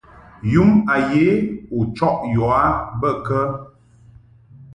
Yum a ye u chɔʼ yɔ a bə kə?